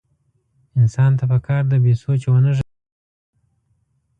انسان ته پکار ده بې سوچه ونه غږېږي.